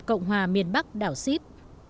cộng hòa miền bắc đảo sip